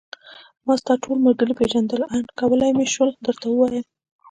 ما ستا ټول ملګري پېژندل او آن کولای مې شول درته ووایم.